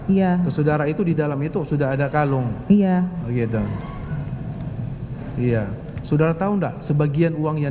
iya saudara itu di dalam itu sudah ada kalung iya begitu iya saudara tahu enggak sebagian uang yang